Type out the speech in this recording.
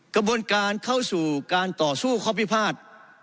กระบวนการเข้าสู่การต่อสู้ข้อพิพาท